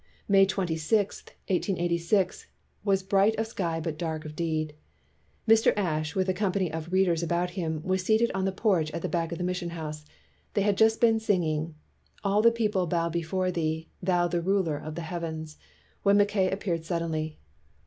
235 WHITE MAN OF WORK May twenty sixth, 1886, was bright of sky but dark of deed. Mr. Ashe with a company of "readers" about him, was seated on the porch at the back of the mission house. They had just been singing, "All the people bow before Thee, Thou the Ruler of the heavens," when Mackay appeared suddenly.